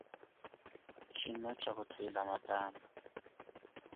Tshino tsha kutwila matamba.